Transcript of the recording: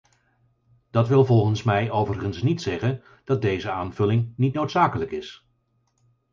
Dat wil volgens mij overigens niet zeggen dat deze aanvulling niet noodzakelijk is.